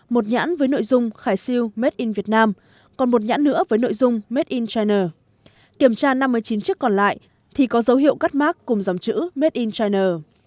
một nhãn với nội dung khải siêu made in vietnam còn một nhãn nữa với nội dung made in china kiểm tra năm mươi chín chiếc còn lại thì có dấu hiệu cắt mát cùng dòng chữ made in china